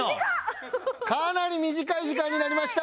かなり短い時間になりました。